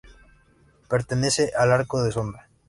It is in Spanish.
Pertenece al Arco de Sonda.